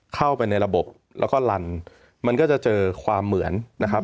เข้าไปในระบบแล้วก็ลันมันก็จะเจอความเหมือนนะครับ